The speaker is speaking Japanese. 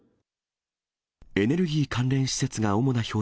エネルギー関連施設が主な標